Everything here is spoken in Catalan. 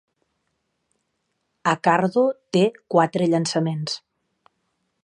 Accardo té quatre llançaments.